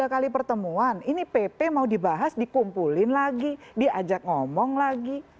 tiga kali pertemuan ini pp mau dibahas dikumpulin lagi diajak ngomong lagi